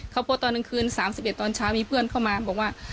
เขาโพสต์ตอนกลางคืน๓๑ตอนเช้ามีเพื่อนเข้ามาบอกว่า